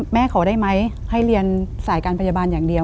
ขอได้ไหมให้เรียนสายการพยาบาลอย่างเดียว